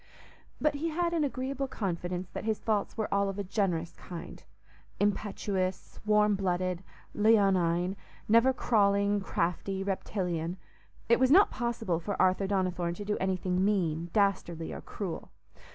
But he had an agreeable confidence that his faults were all of a generous kind—impetuous, warm blooded, leonine; never crawling, crafty, reptilian. It was not possible for Arthur Donnithorne to do anything mean, dastardly, or cruel.